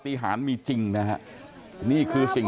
เพื่อนบ้านเจ้าหน้าที่อำรวจกู้ภัย